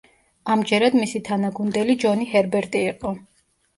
ამჯერად მისი თანაგუნდელი ჯონი ჰერბერტი იყო.